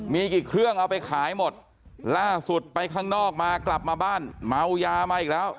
มีกี่เครื่องเอาไปขายหมดล่าสุดไปข้างนอกมากลับมาบ้านเมายามาอีกแล้ว